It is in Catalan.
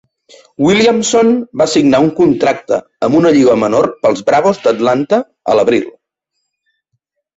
Williamson va signar un contracte amb una lliga menor pels Bravos d'Atlanta a l'abril.